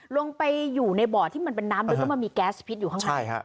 ลงไปอยู่ในบ่อที่มันเป็นน้ำลึกแล้วมันมีแก๊สพิษอยู่ข้างใน